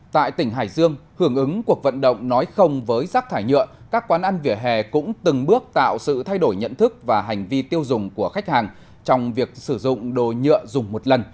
tại tỉnh hải dương hưởng ứng cuộc vận động nói không với rác thải nhựa các quán ăn vỉa hè cũng từng bước tạo sự thay đổi nhận thức và hành vi tiêu dùng của khách hàng trong việc sử dụng đồ nhựa dùng một lần